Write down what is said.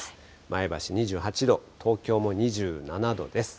前橋２８度、東京も２７度です。